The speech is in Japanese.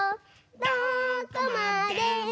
「どこまでも」